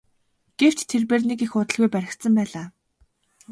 Гэвч тэрбээр нэг их удалгүй баригдсан байлаа.